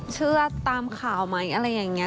เชื่อตามข่าวไหมอะไรอย่างนี้